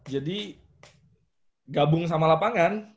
jadi gabung sama lapangan